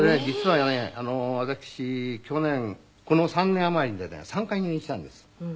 実はね私去年この３年余りでね３回入院したんです。